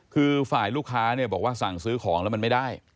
คือฝ่ายลูกค้าเนี่ยบอกว่าสั่งซื้อของแล้วมันไม่ได้